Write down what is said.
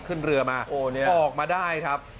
ขึ้นเรือมาออกมาได้ครับ